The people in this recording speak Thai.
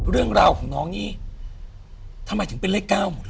เรื่องราวของน้องนี่ทำไมถึงเป็นเลข๙หมดเลย